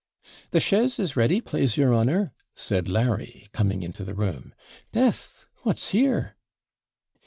'The chaise is ready, PLASE your honour,' said Larry, coming into the room. 'Death! what's here?'